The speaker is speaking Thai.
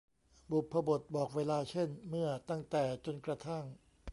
บุพบทบอกเวลา เช่น เมื่อ ตั้งแต่ จนกระทั่ง